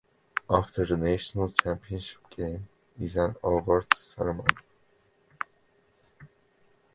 After the National Championship game is an awards ceremony.